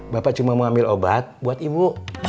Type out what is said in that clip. bapak cuma mau ambil obat buat ibu